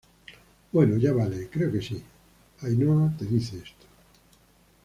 bueno, ya vale. creo que si Ainhoa te dice esto